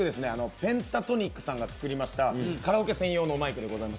ペンタトニックさんが作りましたカラオケ専用のマイクでございます。